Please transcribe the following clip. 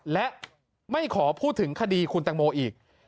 และไม่ขอพูดถึงคดีคุณตังโมอีก